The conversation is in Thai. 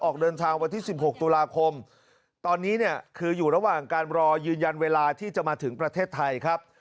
ออกเดินทางวันที่๑๖ตุลาคมตอนนี้เนี่ยคืออยู่ระหว่างการรอยืนยันเวลาที่จะมาถึงประเทศไทยครับ